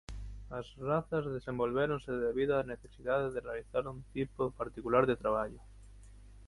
As razas desenvolvéronse debido á necesidade de realizar un tipo particular de traballo.